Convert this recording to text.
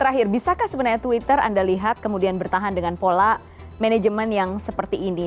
terakhir bisakah sebenarnya twitter anda lihat kemudian bertahan dengan pola manajemen yang seperti ini